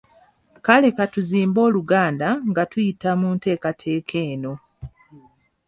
Kale ka tuzimbe Oluganda nga tuyita mu nteekateeka eno.